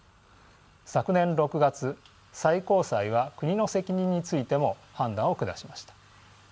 昨年６月最高裁は国の責任についても判断を下しました。